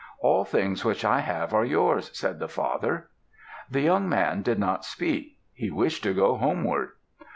"All things which I have are yours," said the father. The young man did not speak. He wished to go homeward.